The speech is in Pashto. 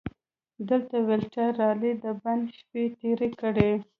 دلته والټر رالي د بند شپې تېرې کړې.